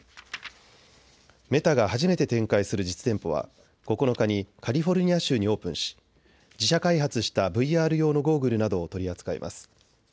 メタが初めて展開する実店舗は９日にカリフォルニア州にオープンし自社開発したＶＲ用のゴーグルなどを取り扱います。